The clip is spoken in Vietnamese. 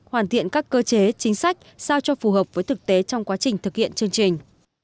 hoàn thiện các cơ chế chính sách sao cho phù hợp với thực tế trong quá trình thực hiện chương trình